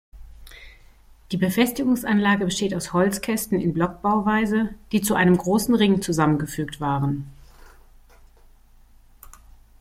Die Befestigungsanlage besteht aus Holzkästen in Blockbauweise, die zu einem großen Ring zusammengefügt waren.